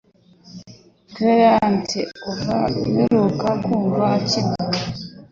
Clarinet kuva mperuka kumva akina